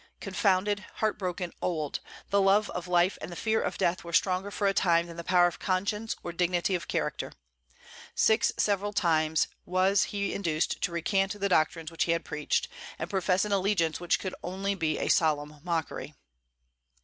"Confounded, heart broken, old," the love of life and the fear of death were stronger for a time than the power of conscience or dignity of character. Six several times was he induced to recant the doctrines he had preached, and profess an allegiance which could only be a solemn mockery.